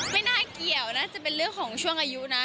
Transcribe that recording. ไม่น่าเกี่ยวน่าจะเป็นเรื่องของช่วงอายุนะ